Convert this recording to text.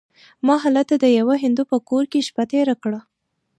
ما هلته د یوه هندو په کور کې شپه تېره کړه.